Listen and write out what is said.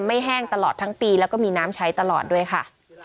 แห้งตลอดทั้งปีแล้วก็มีน้ำใช้ตลอดด้วยค่ะ